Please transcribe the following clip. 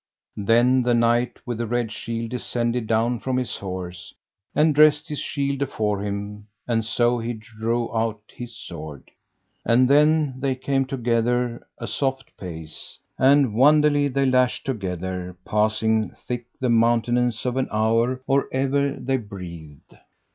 Then the Knight with the Red Shield descended down from his horse, and dressed his shield afore him, and so he drew out his sword. And then they came together a soft pace, and wonderly they lashed together passing thick the mountenance of an hour or ever they breathed.